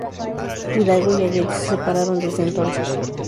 Hidalgo y Allende se separaron desde entonces.